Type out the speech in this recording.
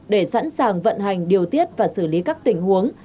để sẵn sàng vận hành điều tiết và xử lý các tình huống